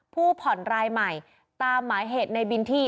ผู้ผ่อนรายใหม่ตามหมายเหตุในบินที่